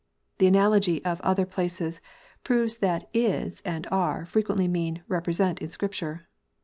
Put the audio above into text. The analogy of other places proves that " is " and " are " frequently mean "represent" in Scripture.